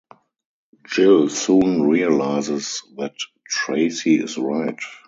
Jill soon realizes that Tracy is right.